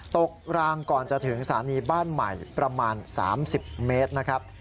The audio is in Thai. กลางก่อนจะถึงสถานีบ้านใหม่ประมาณ๓๐เมตรนะครับ